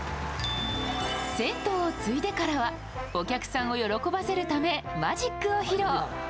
銭湯を継いでからはお客さんを喜ばせるためマジックを披露。